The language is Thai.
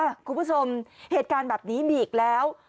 คุณผู้ชมเหตุการณ์แบบนี้มีอีกแล้ว